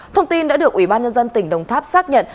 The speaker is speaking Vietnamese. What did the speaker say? thông tin đã được ủy ban nhân dân tp hcm xác nhận